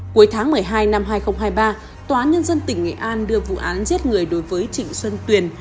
cuối tháng một mươi hai năm hai nghìn hai mươi ba tòa án nhân dân tỉnh nghệ an đưa vụ án giết người đối với trịnh xuân tuyền